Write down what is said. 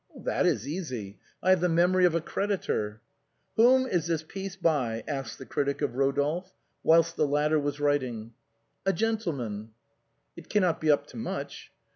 " That is easy, I have the memory of a creditor." " Whom is this piece by ?" asked the critic of Rodolphe, whilst the latter was writing. "A gentleman." " It cannot be up to much."